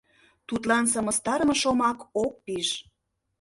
Тудлан сымыстарыме шомак ок пиж.